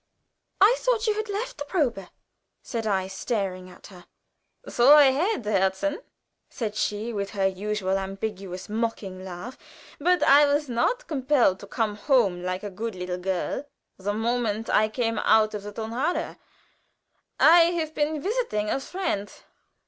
"I thought you had left the probe?" said I, staring at her. "So I had, Herzchen," said she, with her usual ambiguous, mocking laugh; "but I was not compelled to come home, like a good little girl, the moment I came out of the Tonhalle. I have been visiting a friend.